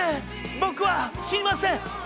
僕は死にません！